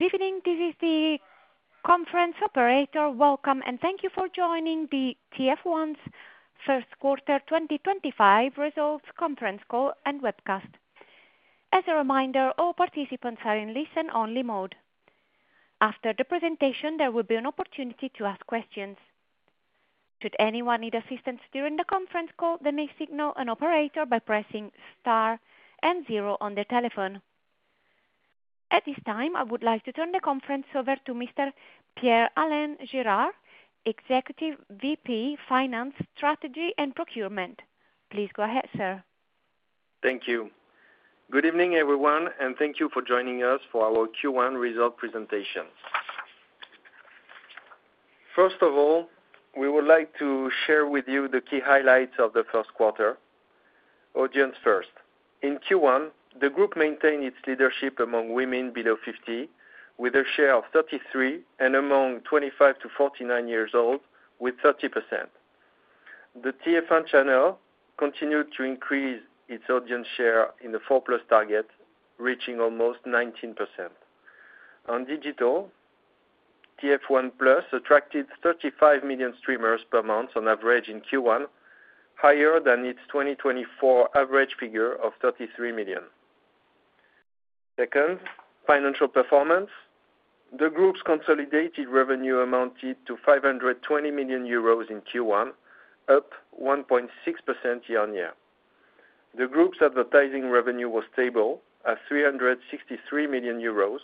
Evening, this is the conference operator. Welcome, and thank you for joining the TF1's first quarter 2025 results conference call and webcast. As a reminder, all participants are in listen-only mode. After the presentation, there will be an opportunity to ask questions. Should anyone need assistance during the conference call, they may signal an operator by pressing star and zero on their telephone. At this time, I would like to turn the conference over to Mr. Pierre-Alain Gerard, Executive VP, Finance, Strategy, and Procurement. Please go ahead, sir. Thank you. Good evening, everyone, and thank you for joining us for our Q1 results presentation. First of all, we would like to share with you the key highlights of the first quarter. Audience first. In Q1, the group maintained its leadership among women below 50, with a share of 33%, and among 25 to 49 years old, with 30%. The TF1 channel continued to increase its audience share in the 4+ target, reaching almost 19%. On digital, TF1+ attracted 35 million streamers per month on average in Q1, higher than its 2024 average figure of 33 million. Second, financial performance. The group's consolidated revenue amounted to 520 million euros in Q1, up 1.6% year-on-year. The group's advertising revenue was stable at 363 million euros.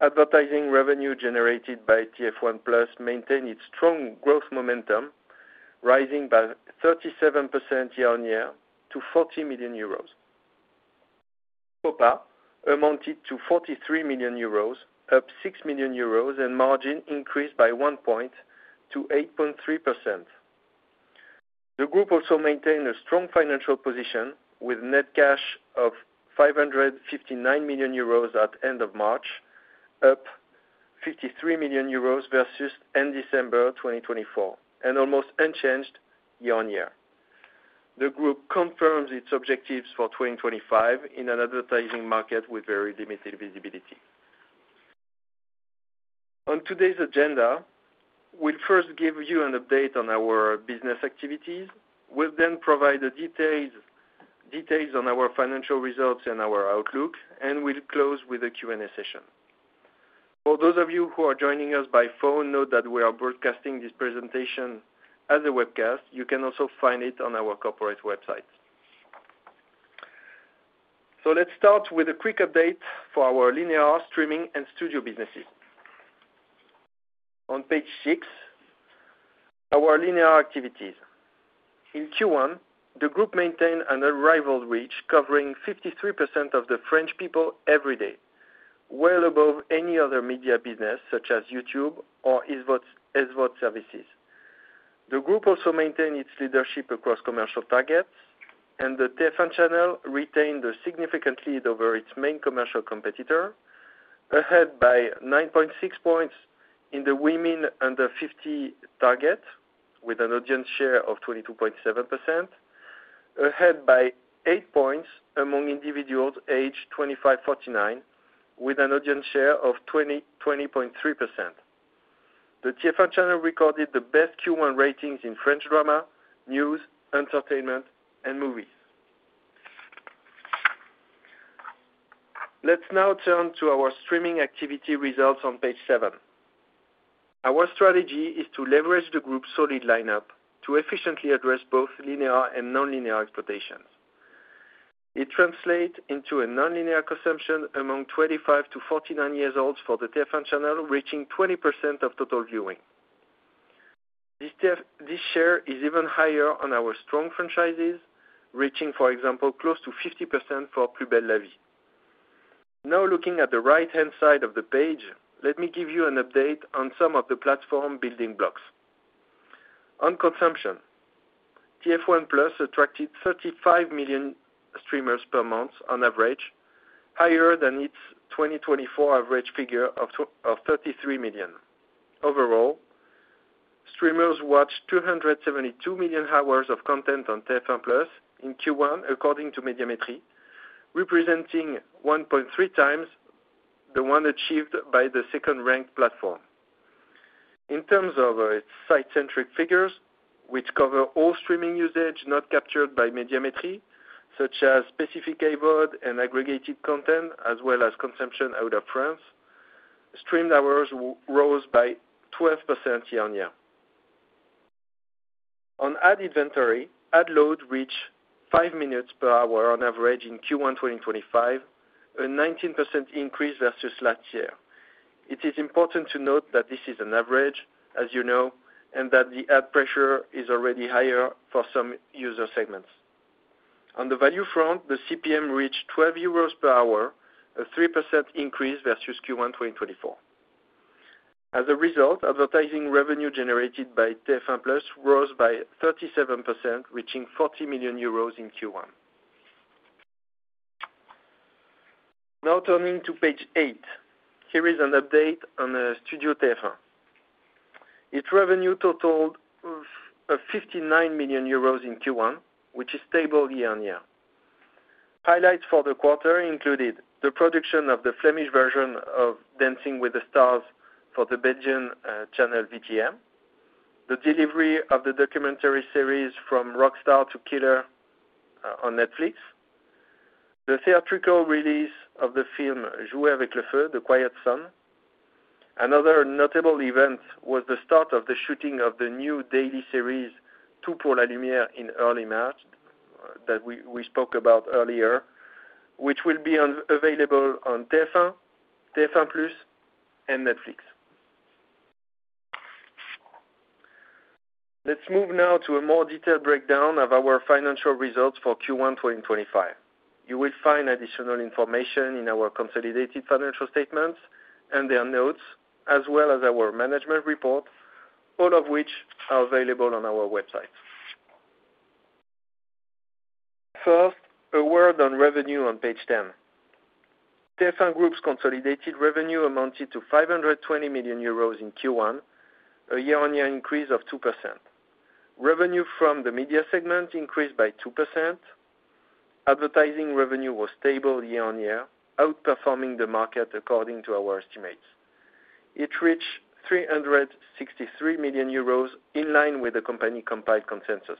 Advertising revenue generated by TF1+ maintained its strong growth momentum, rising by 37% year-on-year to 40 million euros. COPA amounted to 43 million euros, up 6 million euros, and margin increased by one point to 8.3%. The group also maintained a strong financial position with net cash of 559 million euros at the end of March, up 53 million euros versus end December 2024, and almost unchanged year-on-year. The group confirms its objectives for 2025 in an advertising market with very limited visibility. On today's agenda, we will first give you an update on our business activities. We will then provide the details on our financial results and our outlook, and we will close with a Q&A session. For those of you who are joining us by phone, note that we are broadcasting this presentation as a webcast. You can also find it on our corporate website. Let's start with a quick update for our linear streaming and studio businesses. On page six, our linear activities. In Q1, the group maintained an arrival reach covering 53% of the French people every day, well above any other media business such as YouTube or SVOD services. The group also maintained its leadership across commercial targets, and the TF1 channel retained a significant lead over its main commercial competitor, ahead by 9.6% points in the women under 50 target, with an audience share of 22.7%, ahead by 8% points among individuals aged 25-49, with an audience share of 20.3%. The TF1 channel recorded the best Q1 ratings in French drama, news, entertainment, and movies. Let's now turn to our streaming activity results on page seven. Our strategy is to leverage the group's solid lineup to efficiently address both linear and non-linear exploitations. It translates into a non-linear consumption among 25-49 years old for the TF1 channel, reaching 20% of total viewing. This share is even higher on our strong franchises, reaching, for example, close to 50% for Plus Belle la Vie. Now, looking at the right-hand side of the page, let me give you an update on some of the platform building blocks. On consumption, TF1+ attracted 35 million streamers per month on average, higher than its 2024 average figure of 33 million. Overall, streamers watched 272 million hours of content on TF1+ in Q1, according to Mediametry, representing 1.3x the one achieved by the second-ranked platform. In terms of its site-centric figures, which cover all streaming usage not captured by Mediametry, such as specific AVOD and aggregated content, as well as consumption out of France, streamed hours rose by 12% year-on-year. On ad inventory, ad load reached five minutes per hour on average in Q1 2025, a 19% increase versus last year. It is important to note that this is an average, as you know, and that the ad pressure is already higher for some user segments. On the value front, the CPM reached 12 euros per hour, a 3% increase versus Q1 2024. As a result, advertising revenue generated by TF1+ rose by 37%, reaching 40 million euros in Q1. Now, turning to page eight, here is an update on Studio TF1. Its revenue totaled 59 million euros in Q1, which is stable year-on-year. Highlights for the quarter included the production of the Flemish version of Dancing with the Stars for the Belgian channel VTM, the delivery of the documentary series From Rockstar to Killer on Netflix, the theatrical release of the film Jouer avec le Feu, The Quiet Son. Another notable event was the start of the shooting of the new daily series Tout pour la lumière in early March, that we spoke about earlier, which will be available on TF1, TF1+, and Netflix. Let's move now to a more detailed breakdown of our financial results for Q1 2025. You will find additional information in our consolidated financial statements and their notes, as well as our management report, all of which are available on our website. First, a word on revenue on page 10. TF1 Group's consolidated revenue amounted to 520 million euros in Q1, a year-on-year increase of 2%. Revenue from the media segment increased by 2%. Advertising revenue was stable year-on-year, outperforming the market according to our estimates. It reached 363 million euros in line with the company compiled consensus.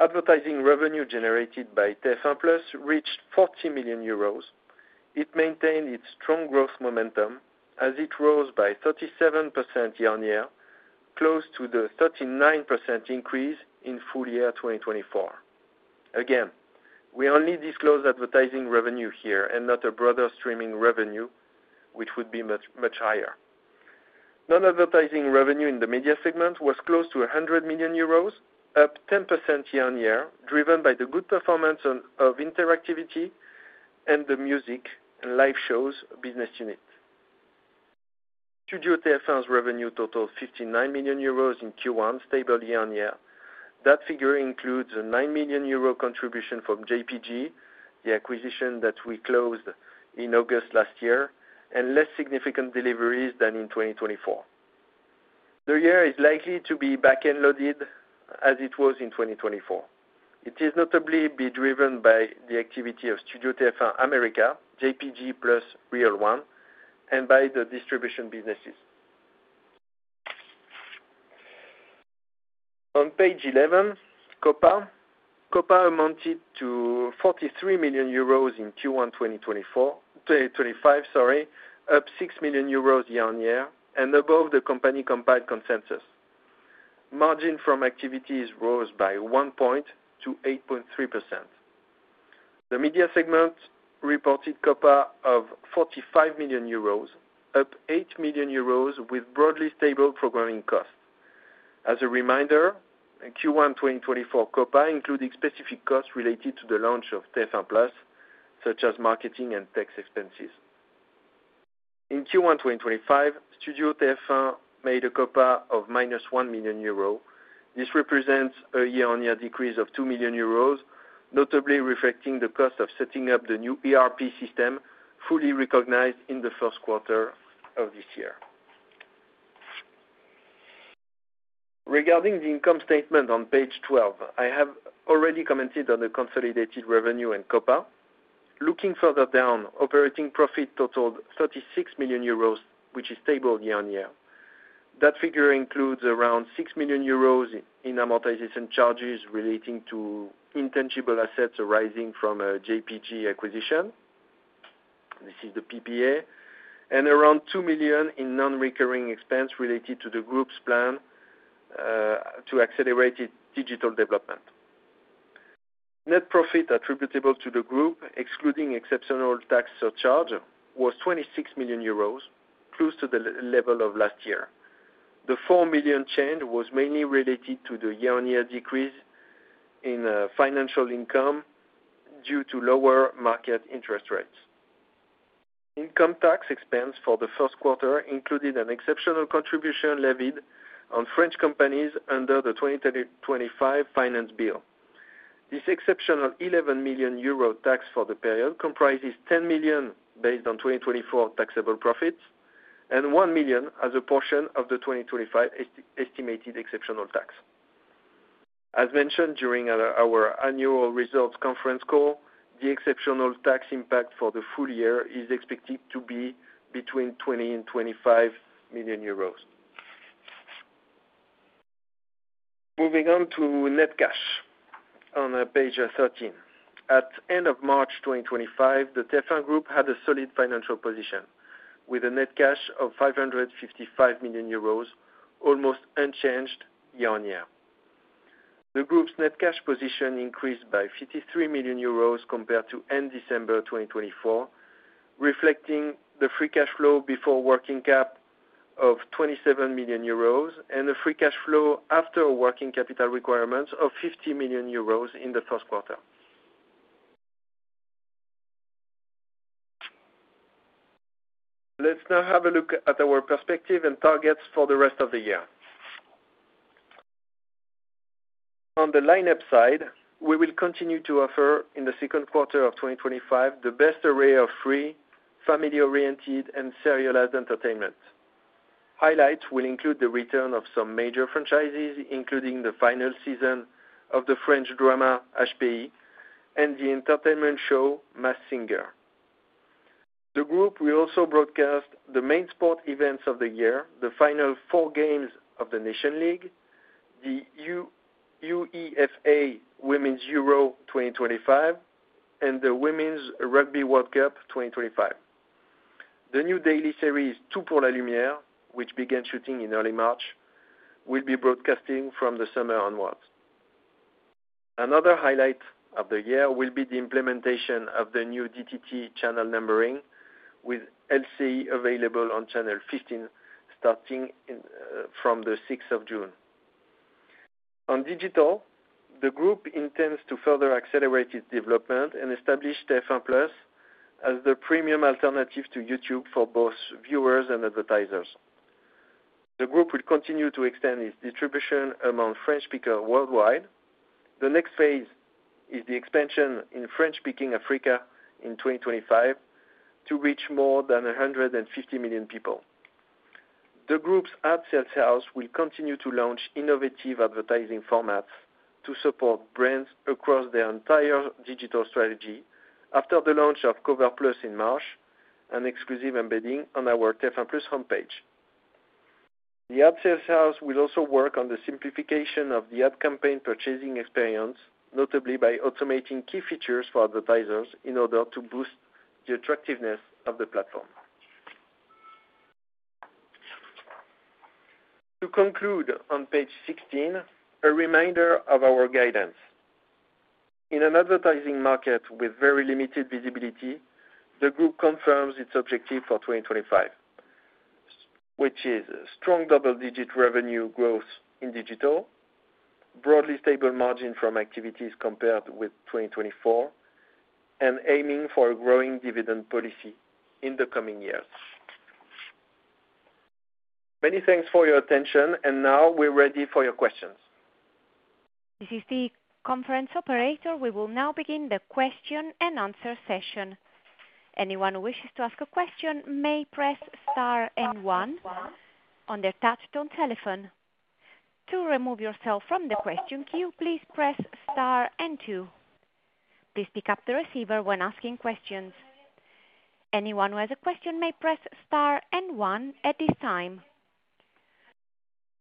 Advertising revenue generated by TF1+ reached 40 million euros. It maintained its strong growth momentum as it rose by 37% year-on-year, close to the 39% increase in full year 2024. Again, we only disclose advertising revenue here and not broader streaming revenue, which would be much higher. Non-advertising revenue in the media segment was close to 100 million euros, up 10% year-on-year, driven by the good performance of interactivity and the music and live shows business unit. Studio TF1's revenue totaled 59 million euros in Q1, stable year-on-year. That figure includes a 9 million euro contribution from JPG, the acquisition that we closed in August last year, and less significant deliveries than in 2024. The year is likely to be back-end loaded as it was in 2024. It is notably driven by the activity of Studio TF1 America, JPG plus Reel One, and by the distribution businesses. On page 11, COPA. COPA amounted to 43 million euros in Q1 2025, up 6 million euros year-on-year, and above the company compiled consensus. Margin from activities rose by one point to 8.3%. The media segment reported COPA of 45 million euros, up 8 million euros with broadly stable programming costs. As a reminder, Q1 2024 COPA included specific costs related to the launch of TF1+, such as marketing and tax expenses. In Q1 2025, Studio TF1 made a COPA of -1 million euro. This represents a year-on-year decrease of 2 million euros, notably reflecting the cost of setting up the new ERP system fully recognized in the first quarter of this year. Regarding the income statement on page 12, I have already commented on the consolidated revenue and COPA. Looking further down, operating profit totaled 36 million euros, which is stable year-on-year. That figure includes around 6 million euros in amortization charges relating to intangible assets arising from a JPG acquisition. This is the PPA, and around 2 million in non-recurring expense related to the group's plan to accelerate its digital development. Net profit attributable to the group, excluding exceptional tax surcharge, was 26 million euros, close to the level of last year. The 4 million change was mainly related to the year-on-year decrease in financial income due to lower market interest rates. Income tax expense for the first quarter included an exceptional contribution levied on French companies under the 2025 finance bill. This exceptional 11 million euro tax for the period comprises 10 million based on 2024 taxable profits and 1 million as a portion of the 2025 estimated exceptional tax. As mentioned during our annual results conference call, the exceptional tax impact for the full year is expected to be between 20 million and 25 million euros. Moving on to net cash on page 13. At the end of March 2025, the TF1 Group had a solid financial position with a net cash of 555 million euros, almost unchanged year-on-year. The group's net cash position increased by 53 million euros compared to end December 2024, reflecting the free cash flow before working cap of 27 million euros and the free cash flow after working capital requirements of 50 million euros in the first quarter. Let's now have a look at our perspective and targets for the rest of the year. On the lineup side, we will continue to offer in the second quarter of 2025 the best array of free, family-oriented, and serialized entertainment. Highlights will include the return of some major franchises, including the final season of the French drama HPI and the entertainment show Masked Singer. The group will also broadcast the main sport events of the year, the final four games of the Nations League, the UEFA Women's Euro 2025, and the Women's Rugby World Cup 2025. The new daily series Tout pour la lumière, which began shooting in early March, will be broadcasting from the summer onwards. Another highlight of the year will be the implementation of the new DTT channel numbering, with LCI available on channel 15 starting from the 6th of June. On digital, the group intends to further accelerate its development and establish TF1+ as the premium alternative to YouTube for both viewers and advertisers. The group will continue to extend its distribution among French speakers worldwide. The next phase is the expansion in French-speaking Africa in 2025 to reach more than 150 million people. The group's ad sales house will continue to launch innovative advertising formats to support brands across their entire digital strategy after the launch of Cover+ in March, an exclusive embedding on our TF1+ homepage. The ad sales house will also work on the simplification of the ad campaign purchasing experience, notably by automating key features for advertisers in order to boost the attractiveness of the platform. To conclude on page 16, a reminder of our guidance. In an advertising market with very limited visibility, the group confirms its objective for 2025, which is strong double-digit revenue growth in digital, broadly stable margin from activities compared with 2024, and aiming for a growing dividend policy in the coming years. Many thanks for your attention, and now we're ready for your questions. This is the conference operator. We will now begin the question-and-answer session. Anyone who wishes to ask a question may press star and one on their touch-tone telephone. To remove yourself from the question queue, please press star and two. Please pick up the receiver when asking questions. Anyone who has a question may press star and one at this time.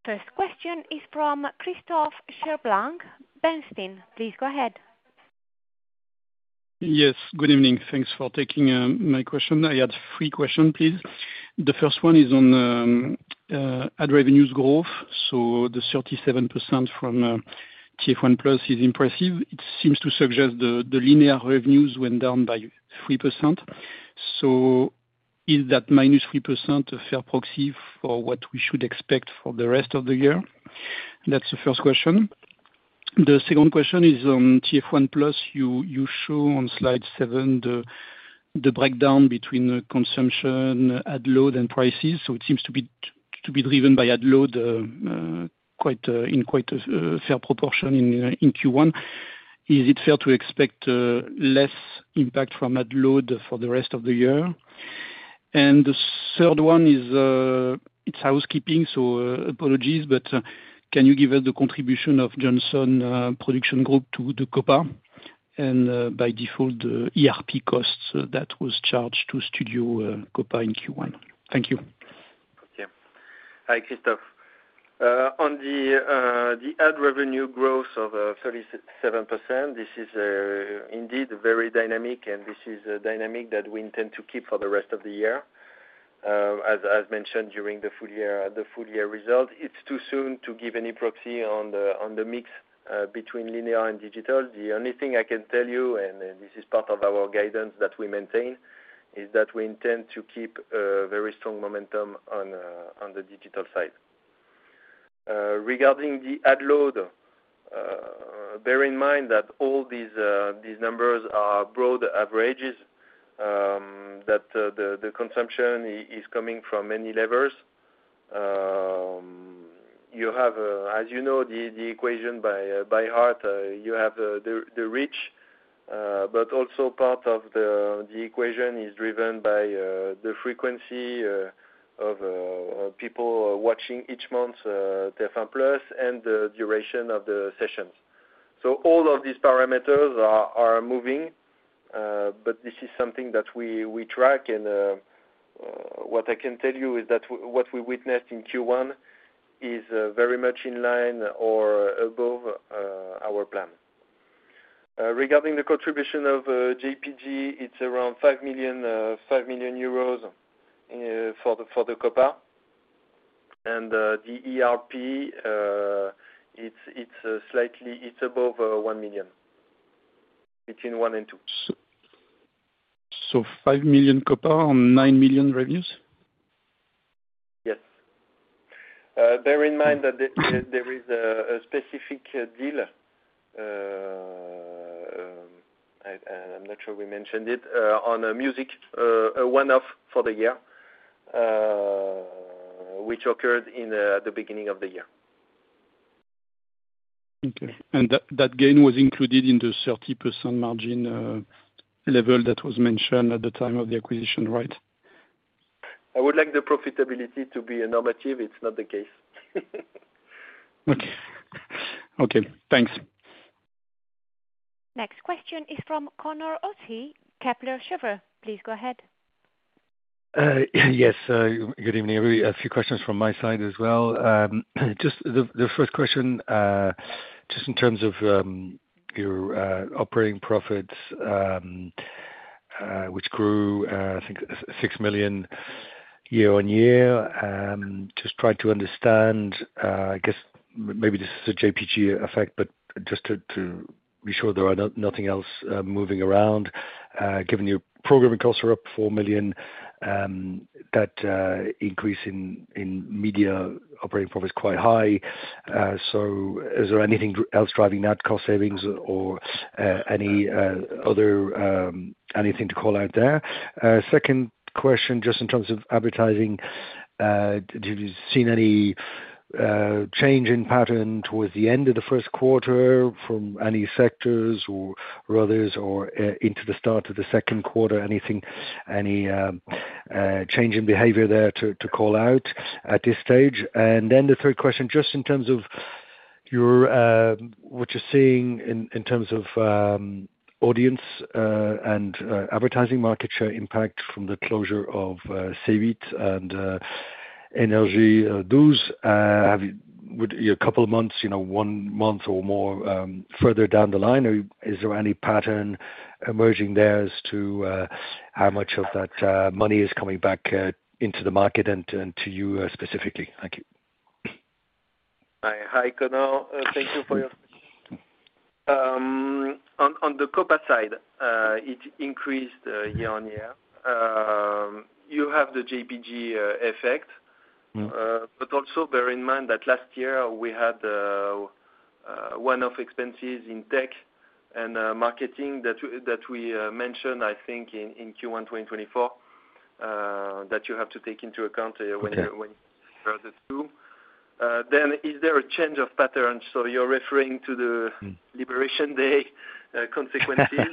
First question is from Christophe Cherblanc, Bernstein. Please go ahead. Yes, good evening. Thanks for taking my question. I had three questions, please. The first one is on ad revenues growth. The 37% from TF1+ is impressive. It seems to suggest the linear revenues went down by 3%. Is that -3% a fair proxy for what we should expect for the rest of the year? That is the first question. The second question is on TF1+. You show on slide seven the breakdown between consumption, ad load, and prices. It seems to be driven by ad load in quite a fair proportion in Q1. Is it fair to expect less impact from ad load for the rest of the year? The third one is its housekeeping. Apologies, but can you give us the contribution of Johnson Production Group to the COPA and, by default, the ERP costs that were charged to Studio COPA in Q1? Thank you. Okay. Hi, Christophe. On the ad revenue growth of 37%, this is indeed very dynamic, and this is a dynamic that we intend to keep for the rest of the year. As mentioned during the full year results, it is too soon to give any proxy on the mix between linear and digital. The only thing I can tell you, and this is part of our guidance that we maintain, is that we intend to keep a very strong momentum on the digital side. Regarding the ad load, bear in mind that all these numbers are broad averages, that the consumption is coming from many levels. You have, as you know the equation by heart, you have the reach, but also part of the equation is driven by the frequency of people watching each month TF1+ and the duration of the sessions. All of these parameters are moving, but this is something that we track. What I can tell you is that what we witnessed in Q1 is very much in line or above our plan. Regarding the contribution of JPG, it's around 5 million euros for the COPA. The ERP, it's slightly above 1 million, between one and two. 5 million COPA on 9 million revenues? Yes. Bear in mind that there is a specific deal—I am not sure we mentioned it—on music, a one-off for the year, which occurred at the beginning of the year. Okay. And that gain was included in the 30% margin level that was mentioned at the time of the acquisition, right? I would like the profitability to be a normative. It is not the case. Okay. Okay. Thanks. Next question is from Conor O'Shea, Kepler Cheuvreux. Please go ahead. Yes. Good evening. A few questions from my side as well. Just the first question, just in terms of your operating profits, which grew, I think, 6 million year-on-year. Just trying to understand, I guess, maybe this is a JPG effect, but just to be sure there is nothing else moving around. Given your programming costs are up 4 million, that increase in media operating profit is quite high. Is there anything else driving that cost savings or any other anything to call out there? Second question, just in terms of advertising, did you see any change in pattern towards the end of the first quarter from any sectors or others or into the start of the second quarter? Any change in behavior there to call out at this stage? The third question, just in terms of what you're seeing in terms of audience and advertising market share impact from the closure of C8 and NRJ 12. Would a couple of months, one month or more further down the line, is there any pattern emerging there as to how much of that money is coming back into the market and to you specifically? Thank you. Hi, Conor. Thank you for your question. On the COPA side, it increased year-on-year. You have the JPG effect, but also bear in mind that last year we had one-off expenses in tech and marketing that we mentioned, I think, in Q1 2024 that you have to take into account when you compare the two. Is there a change of pattern? You are referring to the Liberation Day consequences?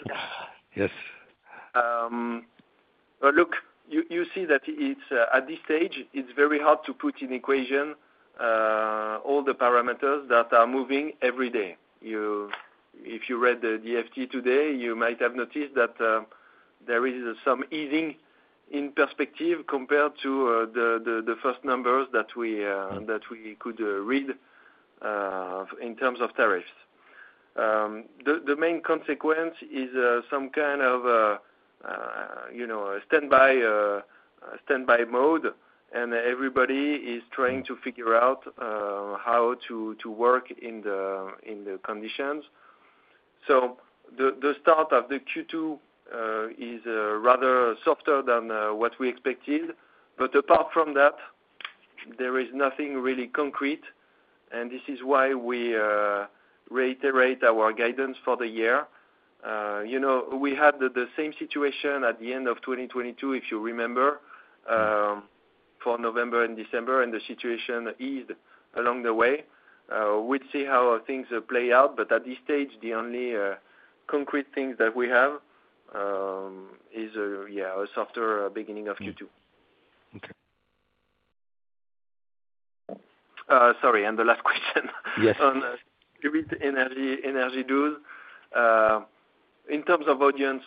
Yes. Look, you see that at this stage, it is very hard to put in equation all the parameters that are moving every day. If you read the The FT today, you might have noticed that there is some easing in perspective compared to the first numbers that we could read in terms of tariffs. The main consequence is some kind of standby mode, and everybody is trying to figure out how to work in the conditions. The start of the Q2 is rather softer than what we expected, but apart from that, there is nothing really concrete, and this is why we reiterate our guidance for the year. We had the same situation at the end of 2022, if you remember, for November and December, and the situation eased along the way. We'd see how things play out, but at this stage, the only concrete things that we have is a softer beginning of Q2. Okay. Sorry, and the last question. Yes. On C8, NRJ 12, in terms of audience,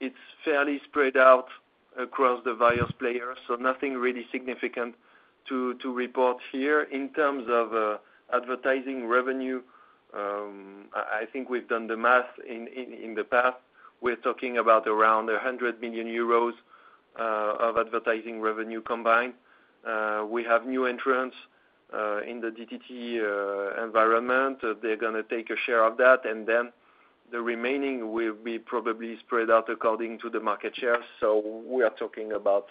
it's fairly spread out across the various players, so nothing really significant to report here. In terms of advertising revenue, I think we've done the math in the past. We're talking about around 100 million euros of advertising revenue combined. We have new entrants in the DTT environment. They're going to take a share of that, and then the remaining will be probably spread out according to the market share. We are talking about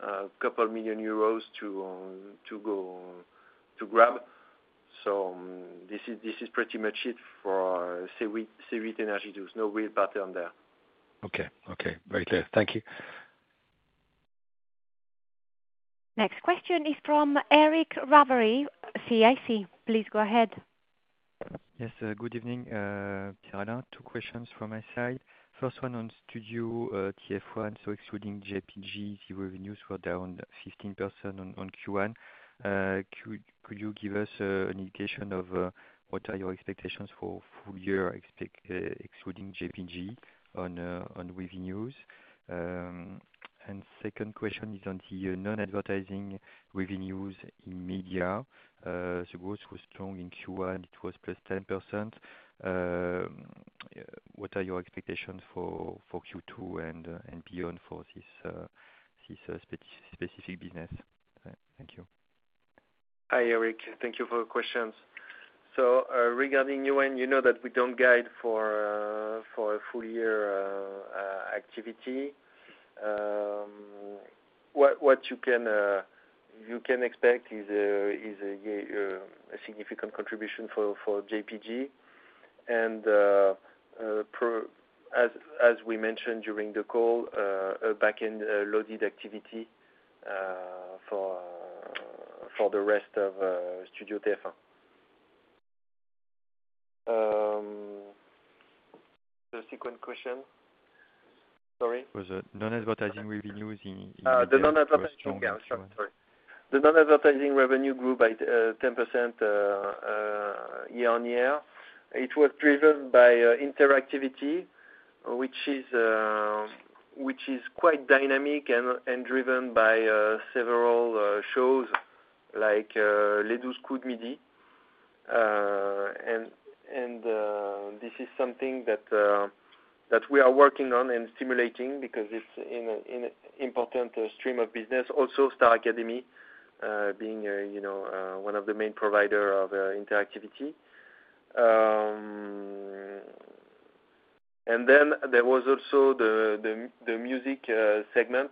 a couple million euros to grab. This is pretty much it for C8, NRJ 12. No real pattern there. Okay. Okay. Very clear. Thank you. Next question is from Eric Ravary, CIC. Please go ahead. Yes. Good evening, Pierre-Alain. Two questions from my side. First one on Studio TF1. Excluding JPG, revenues were down 15% on Q1. Could you give us an indication of what are your expectations for full year, excluding JPG, on revenues? Second question is on the non-advertising revenues in media. Growth was strong in Q1. It was +10%. What are your expectations for Q2 and beyond for this specific business? Thank you. Hi, Eric. Thank you for the questions. Regarding Newen, you know that we don't guide for a full-year activity. What you can expect is a significant contribution for JPG. As we mentioned during the call, back-end loaded activity for the rest of Studio TF1. The second question. Sorry? Was it non-advertising revenues? The non-advertising revenue grew by 10% year-on-year. It was driven by interactivity, which is quite dynamic and driven by several shows like Les 12 Coups de Midi. This is something that we are working on and stimulating because it's an important stream of business. Also, Star Academy being one of the main providers of interactivity. There was also the music segment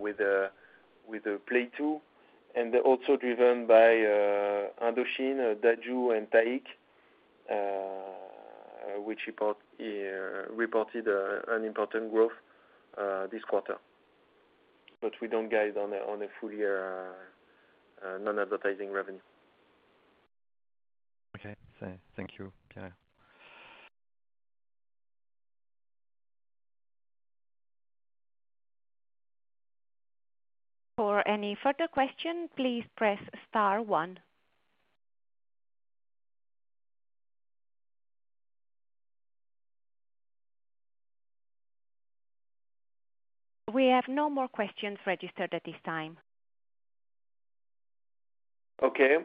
with Play Two, and also driven by Indochine, Dadju, and Tayc, which reported important growth this quarter. We don't guide on a full-year non-advertising revenue. Okay. Thank you, Pierre. For any further question, please press star one. We have no more questions registered at this time. Okay.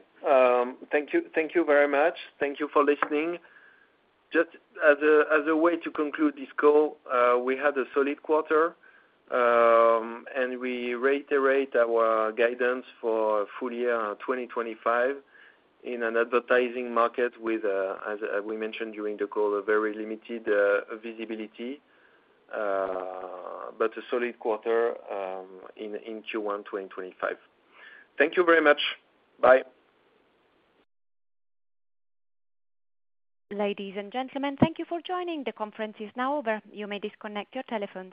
Thank you very much. Thank you for listening. Just as a way to conclude this call, we had a solid quarter, and we reiterate our guidance for full year 2025 in an advertising market with, as we mentioned during the call, a very limited visibility, but a solid quarter in Q1 2025. Thank you very much. Bye. Ladies and gentlemen, thank you for joining. The conference is now over. You may disconnect your telephones.